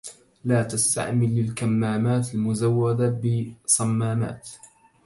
لا تستعمل الكمامات المزودة بصمامات.